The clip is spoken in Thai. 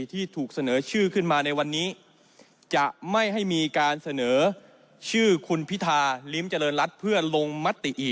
ที่ถูกเสนอชื่อขึ้นมาในวันนี้